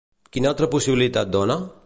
Quina altra possibilitat dona?